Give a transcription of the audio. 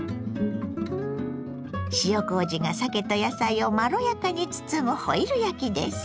塩こうじがさけと野菜をまろやかに包むホイル焼きです。